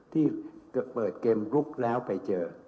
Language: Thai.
ที่เปิดเกมลุกแล้วไปเจอ